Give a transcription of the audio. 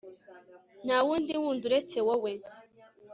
nta wundi wundi uretse wowe